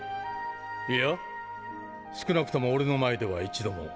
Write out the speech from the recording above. いや少なくとも俺の前では一度も。